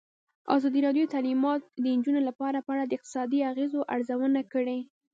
ازادي راډیو د تعلیمات د نجونو لپاره په اړه د اقتصادي اغېزو ارزونه کړې.